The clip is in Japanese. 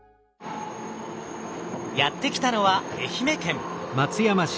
やって来たのは愛媛県。